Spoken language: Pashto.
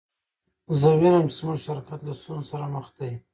زه وینم چې زموږ شرکت له ستونزو سره مخ دی